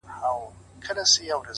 • ويل موري ستا تر ژبي دي قربان سم,